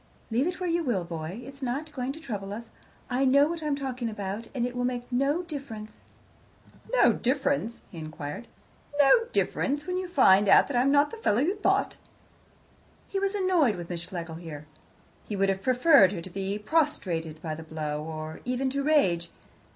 "Leave it where you will, boy. It's not going to trouble us: I know what I'm talking about, and it will make no difference." "No difference?" he inquired. "No difference, when you find that I am not the fellow you thought?" He was annoyed with Miss Schlegel here. He would have preferred her to be prostrated by the blow, or even to rage.